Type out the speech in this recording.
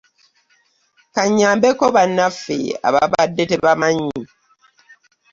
Ka nnyambeko bannaffe ababadde tebamanyi.